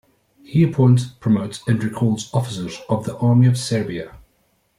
He appoints, promotes and recalls officers of the Army of Serbia.